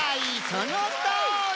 そのとおり！